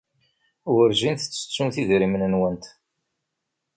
Werjin tettettumt idrimen-nwent.